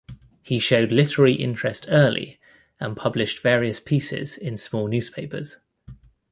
He showed literary interest early and published various pieces in small newspapers.